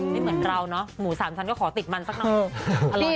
ไม่เหมือนเราเนอะหมูสามชั้นก็ขอติดมันสักหน่อย